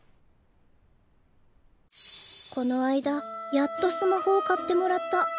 この間やっとスマホを買ってもらった。